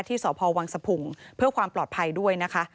สพวังสะพุงเพื่อความปลอดภัยด้วยนะคะ